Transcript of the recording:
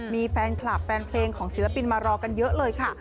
มีแฟนคลับแฟนเพลงของศิลปินมารอกันเยอะเลยค่ะ